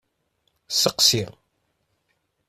Seqsi.